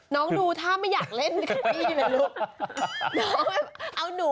ดูท่าไม่อยากเล่นกับพี่เลยลูก